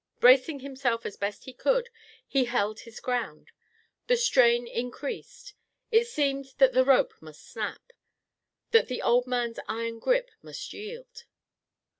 Bracing himself as best he could, he held his ground. The strain increased. It seemed that the rope must snap; that the old man's iron grip must yield.